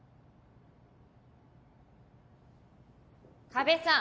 加部さん。